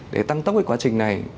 để tăng tốc cái quá trình này